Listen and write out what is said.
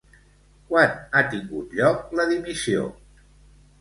Quan ha tingut lloc la dimissió?